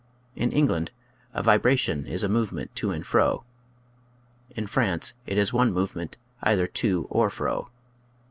(In England a " vibration " is a movement to and fro. In France, it is one movement either to or fro.)